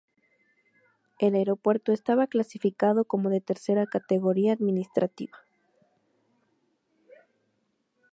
El aeropuerto estaba clasificado como de tercera categoría administrativa.